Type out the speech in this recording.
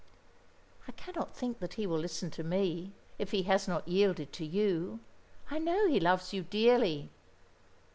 "I cannot think that he will listen to me, if he has not yielded to you; I know he loves you dearly."